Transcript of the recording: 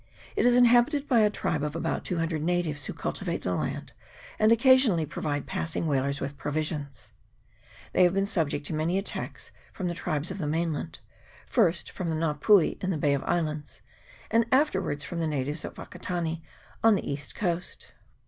It is inhabited by a tribe of about two hundred natives, who cultivate the land, and occa sionally provide passing whalers with provisions. They have been subject to many attacks from the tribes of the mainland, first from the Nga pui in the Bay of Islands, and afterwards from the natives at Wakatane on the east coast.